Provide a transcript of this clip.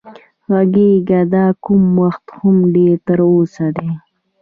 غږېږه دا کم وخت هم ډېر تر اوسه دی